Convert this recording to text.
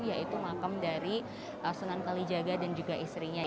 yaitu makam dari senang kali jaga dan juga istrinya